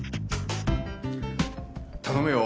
頼むよ。